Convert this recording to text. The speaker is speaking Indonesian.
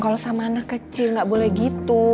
kalo sama anak kecil gak boleh gitu